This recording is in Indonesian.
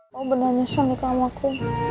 mau beneran nyusul nikah sama aku